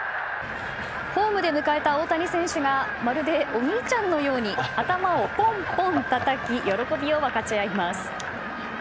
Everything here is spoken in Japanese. ホームで迎えた大谷選手がまるでお兄ちゃんのように頭をポンポンたたき喜びを分かち合います。